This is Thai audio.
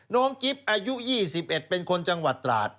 น้องกิฟต์อายุ๒๑เป็นคนจังหวัดตราช